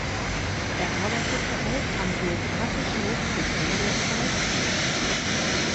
Er arbeitete auch am Geographischen Lexikon der Schweiz mit.